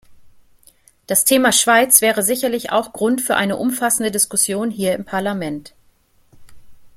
Das Thema Schweiz wäre sicherlich auch Grund für eine umfassende Diskussion hier im Parlament.